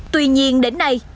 tuy nhiên đến nay